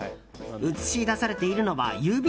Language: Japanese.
映し出されているのは指。